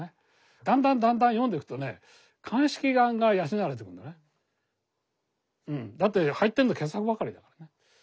だんだんだんだんだって入ってるの傑作ばかりだからね。